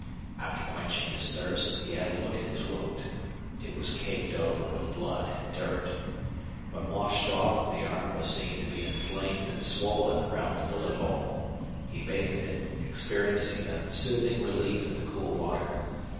After quenching his thirst he had a look at his wound. It was caked over with blood and dirt. When washed off the arm was seen to be inflamed and swollen around the bullet hole. He bathed it, experiencing a soothing relief in the cool water.